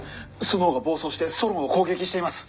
スノウが暴走してソロンを攻撃しています！